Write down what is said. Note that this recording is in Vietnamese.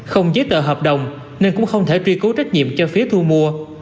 không giấy tờ hợp đồng nên cũng không thể truy cứu trách nhiệm cho phía thu mua